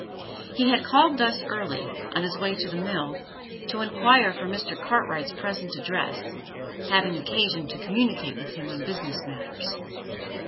He had called thus early, on his way to the mill, to inquire for Mr. Cartwright's present address having occasion to communicate with him on business matters.